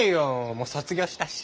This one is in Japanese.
もう卒業したし。